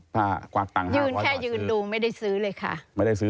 ป้ากวาดตังค์หาพอจะบอกซื้อ